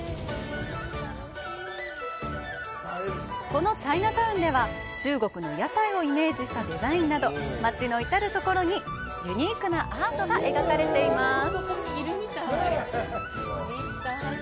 このチャイナタウンでは、中国の屋台をイメージしたデザインなど、街の至るところにユニークなアートが描かれています。